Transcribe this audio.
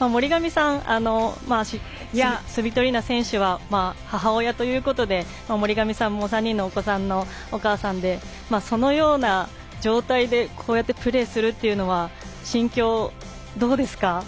森上さん、スビトリーナ選手は母親ということで森上さんも３人のお子さんのお母さんでそのような状態でこうやってプレーするというのは心境、どうですか？